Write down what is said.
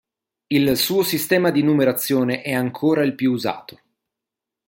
Il suo sistema di numerazione è ancora il più usato.